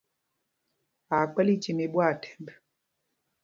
Aa kpɛ̌l ícîm í ɓwâthɛmb.